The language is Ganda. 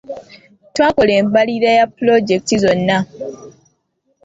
Twakola embalirira ya pulojekiti zonna.